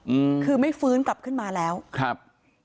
อืมคือไม่ฟื้นกลับขึ้นมาแล้วครับ